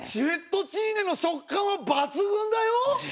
フェットチーネの食感は抜群だよ。